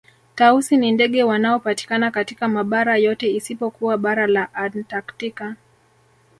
Tausi ni ndege wanaopatikana katika mabara yote isipokuwa bara la Antaktika